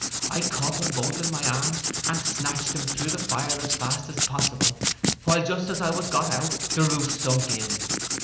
I caught them both in my arms, and snatched them through the fire as fast as possible, while just as I was got out, the roof sunk in.